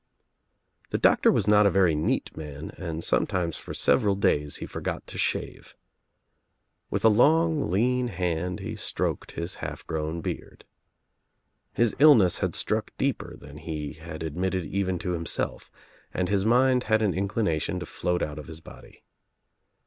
The Doctor was not a very neat man and some times for several days he forgot to shave. With a long lean hand he stroked his half grown beard. His illness had struck deeper than he had admitted even to himself and his mind had an inclination to float out of his body.